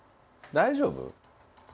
「大丈夫？」